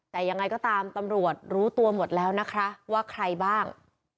แต่ยังไงก็ตามตำรวจรู้ตัวหมดแล้วนะคะว่าใครบ้าง